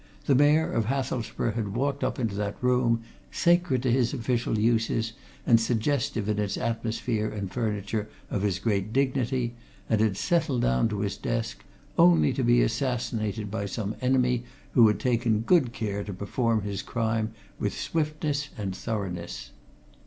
The Mayor of Hathelsborough had walked up into that room, sacred to his official uses and suggestive in its atmosphere and furniture of his great dignity, and had settled down to his desk, only to be assassinated by some enemy who had taken good care to perform his crime with swiftness and thoroughness.